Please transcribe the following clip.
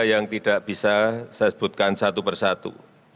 yang tidak bisa saya sebutkan satu persatu